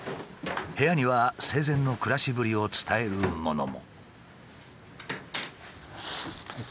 部屋には生前の暮らしぶりを伝えるものも。